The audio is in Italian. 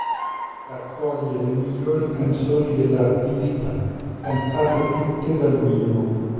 Raccoglie le migliori canzoni dell'artista, cantante tutte dal vivo.